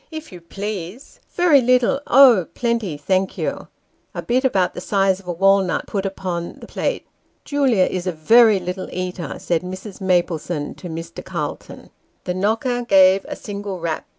" If you please very little oh ! plenty, thank you " (a bit about the size of a walnut put upon the plate). " Julia is a very little eater," said Mrs. Maplesone to Mr. Calton. The knocker gave a single rap.